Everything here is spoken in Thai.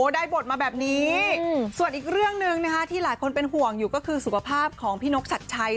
ได้บทมาแบบนี้ส่วนอีกเรื่องหนึ่งที่หลายคนเป็นห่วงอยู่ก็คือสุขภาพของพี่นกชัดชัย